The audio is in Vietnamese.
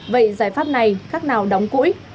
vậy giải pháp này khác nào đóng củi